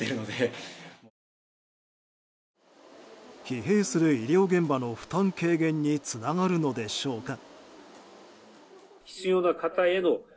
疲弊する医療現場の負担軽減につながるのでしょうか。